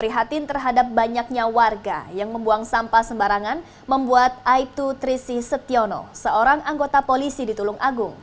prihatin terhadap banyaknya warga yang membuang sampah sembarangan membuat aibtu trisi setiono seorang anggota polisi di tulung agung